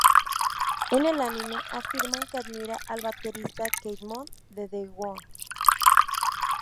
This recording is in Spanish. En el anime, afirma que admira al baterista Keith Moon de The Who.